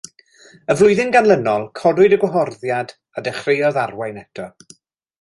Y flwyddyn ganlynol codwyd y gwaharddiad a dechreuodd arwain eto.